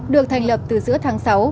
được thành lập từ giữa tháng sáu